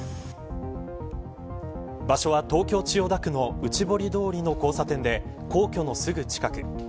場所は、東京、千代田区の内堀通りの交差点で皇居のすぐ近く。